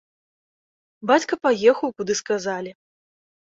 Бацька паехаў, куды сказалі.